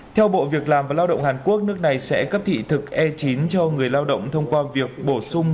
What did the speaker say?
theo bộ việc làm và lao động hàn quốc nước này sẽ cấp thị thực e chín cho người lao động thông qua việc bổ sung